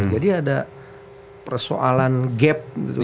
jadi ada persoalan gap gitu kan